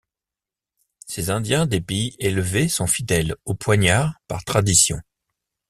Ces Indiens des pays élevés sont fidèles au poignard par tradition